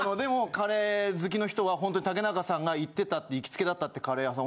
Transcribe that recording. カレー好きの人はホントに竹中さんが行ってたって行きつけだったってカレー屋さん